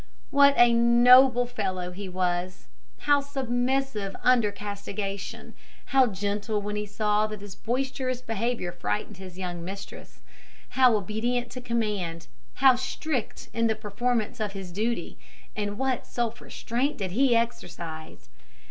What a noble fellow he was, how submissive under castigation, how gentle when he saw that his boisterous behaviour frightened his youngest mistress, how obedient to command, how strict in the performance of his duty! And what self restraint did he exercise!